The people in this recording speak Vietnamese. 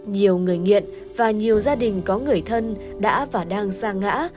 nhiều người nghiện và nhiều gia đình có người thân đã và đang xa ngã